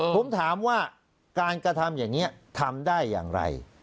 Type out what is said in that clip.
ผมถามว่าการกระทำอย่างนี้ทำได้อย่างไร